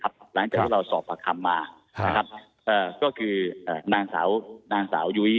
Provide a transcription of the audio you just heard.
ครับหลังจากที่เราสอบประคำมานะครับเอ่อก็คือเอ่อนางสาวนางสาวยุ้ย